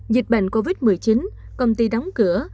dịch bệnh covid một mươi chín công ty đóng cửa